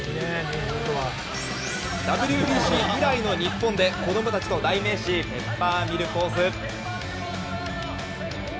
ＷＢＣ以来の日本で、子供たちと代名詞ペッパーミルポーズ。